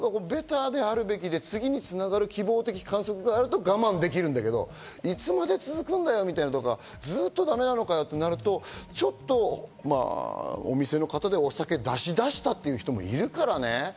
一個がベターであるべきで、次に繋がる希望的観測があると我慢できるけど、いつまで続くんだよみたいなのとか、ずっとだめなのかよってなると、ちょっとお店の方でお酒を出しだしたって人もいるからね。